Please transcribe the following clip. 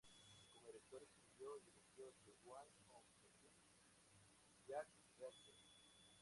Como director, escribió y dirigió "The Way of the Gun" y "Jack Reacher".